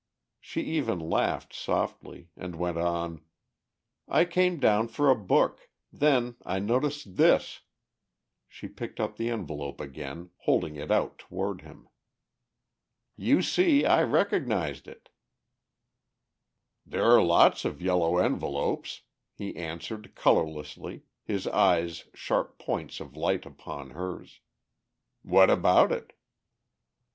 She even laughed softly, and went on: "I came down for a book. Then I noticed this." She picked up the envelope again, holding it out toward him. "You see I recognized it!" "There are lots of yellow envelopes," he answered colourlessly, his eyes sharp points of light upon hers. "What about it?"